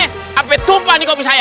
sampai tumpah nih kopi saya